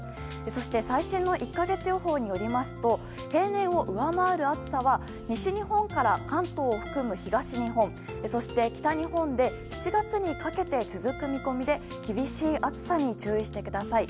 そして最新の１か月予報によると平年を上回る暑さは西日本から関東を含む東日本そして北日本で７月にかけて続く見込みで厳しい暑さに注意してください。